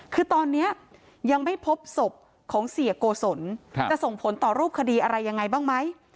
คือตอนนี้ยังไม่พบศพของเสียโกศลจะส่งผลต่อรูปคดีอะไรยังไงบ้างไหม